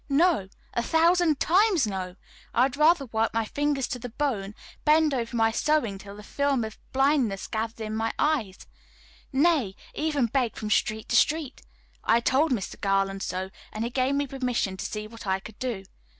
No, a thousand times no! I would rather work my fingers to the bone, bend over my sewing till the film of blindness gathered in my eyes; nay, even beg from street to street. I told Mr. Garland so, and he gave me permission to see what I could do.